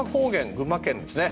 群馬県のですね。